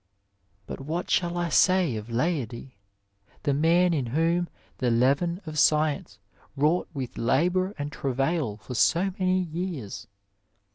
But what shall I say of Leidy, the man in whom the leaven of science wrought with labour and travail for so many years